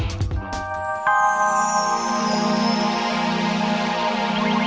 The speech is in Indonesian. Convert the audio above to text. tidak ada yang bisa dikunci